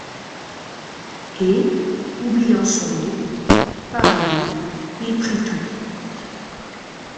Et, oubliant son mot: part à deux, il prit tout.